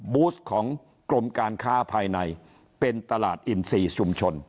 บูสของกรมการค้าภายในเป็นตลาดอินซีชุมชน